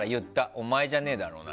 お前じゃねえだろうな？